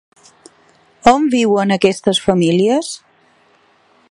On viuen aquestes famílies?